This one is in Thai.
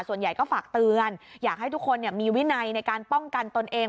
ส่วนใหญ่ก็ฝากเตือนอยากให้ทุกคนมีวินัยในการป้องกันตนเอง